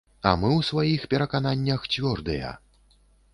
А мы ў сваіх перакананнях цвёрдыя.